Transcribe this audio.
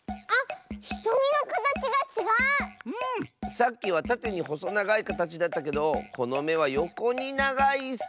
さっきはたてにほそながいかたちだったけどこのめはよこにながいッス！